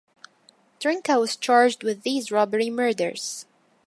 Trnka was charged with these robbery murders.